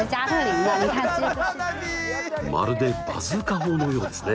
まるでバズーカ砲のようですね！